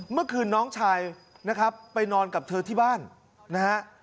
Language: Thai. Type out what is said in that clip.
เมื่อคืนน้องชายนะครับไปนอนกับเธอที่บ้านนะฮะ